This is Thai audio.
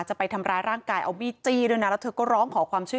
จะไปทำร้ายร่างกายเอามีดจี้ด้วยนะแล้วเธอก็ร้องขอความช่วย